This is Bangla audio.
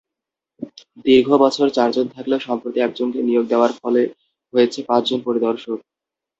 দীর্ঘবছর চারজন থাকলেও সম্প্রতি একজনকে নিয়োগ দেওয়ার ফলে হয়েছে পাঁচজন পরিদর্শক।